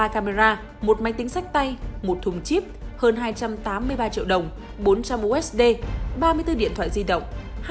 ba camera một máy tính sách tay một thùng chip hơn hai trăm tám mươi ba triệu đồng bốn trăm linh usd ba mươi bốn điện thoại di động